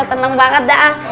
seneng banget dah